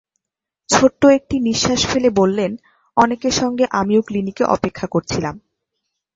ছোট্ট একটি নিঃশ্বাস ফেলে বললেন, অনেকের সঙ্গে আমিও ক্লিনিকে অপেক্ষা করছিলাম।